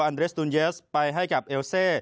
เรสตูนเยสไปให้กับเอลเซ